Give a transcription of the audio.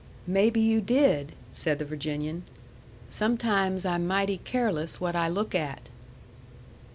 "Maybe you did," said the Virginian. "Sometimes I'm mighty careless what I look at."